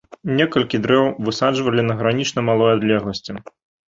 Некалькі дрэў высаджвалі на гранічна малой адлегласці.